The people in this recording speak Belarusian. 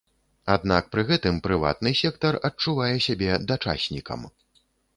Аднак пры гэтым прыватны сектар адчувае сябе дачаснікам.